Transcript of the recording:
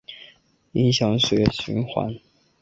影响血液循环